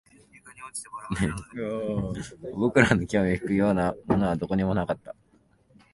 僕らの興味を引くようなものはどこにもなかった